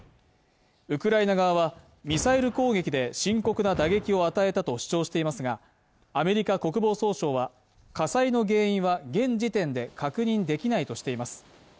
ウクライナ側はミサイル攻撃で深刻な打撃を与えたと主張していますがアメリカ国防総省は火災の原因は現時点で確認できないとしています